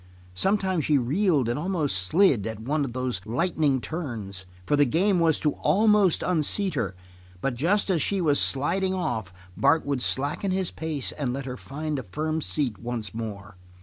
Sometimes she reeled and almost slid at one of those lightning turns, for the game was to almost unseat her, but just as she was sliding off Bart would slacken his pace and let her find a firm seat once more.